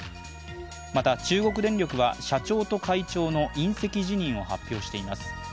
また、中国電力は社長と会長の引責辞任を発表しています。